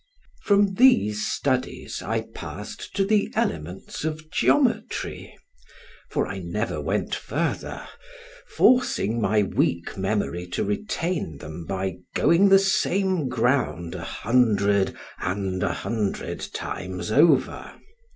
From these studies I passed to the elements of geometry, for I never went further, forcing my weak memory to retain them by going the same ground a hundred and a hundred times over.